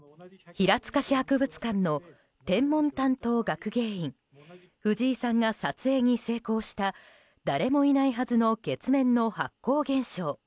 平塚市博物館の天文担当学芸員藤井さんが撮影に成功した誰もいないはずの月面の発光現象。